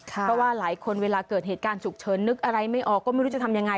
เพราะว่าหลายคนเวลาเกิดเหตุการณ์ฉุกเฉินนึกอะไรไม่ออกก็ไม่รู้จะทำยังไง